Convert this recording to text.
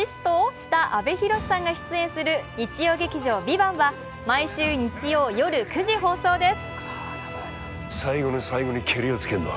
した阿部寛さんが出演する日曜劇場「ＶＩＶＡＮＴ」は毎週日曜夜９時放送です。